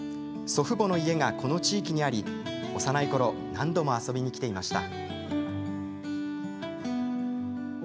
祖父母の家が、この地域にあり幼いころ何度も遊びに来ていました。